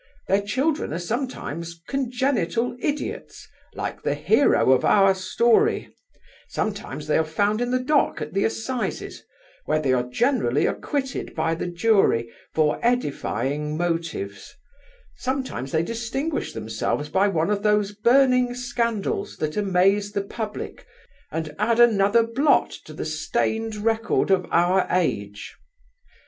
Their children are sometimes congenital idiots, like the hero of our story; sometimes they are found in the dock at the Assizes, where they are generally acquitted by the jury for edifying motives; sometimes they distinguish themselves by one of those burning scandals that amaze the public and add another blot to the stained record of our age.